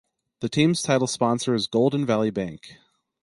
The team's title sponsor is Golden Valley Bank.